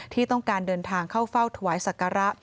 ที่ต้องการเดินทางเข้าเฝ้าถวายศักระ